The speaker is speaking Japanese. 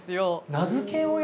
名付け親？